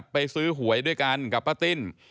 ไปซื้อหวยด้วยกันกับป้าติ้น